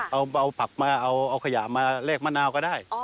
เอาผักมาเอาขยะมาแลกมะนาวก็ได้